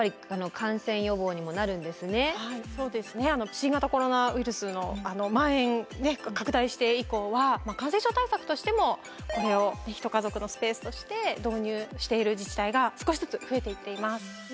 新型コロナウイルスのまん延拡大して以降は感染症対策としてもこれを一家族のスペースとして導入している自治体が少しずつ増えていっています。